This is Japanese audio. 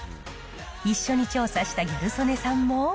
一緒に調査したギャル曽根さんも。